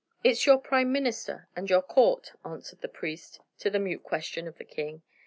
"It is your Prime Minister, and your court," answered the priest to the mute question of the king.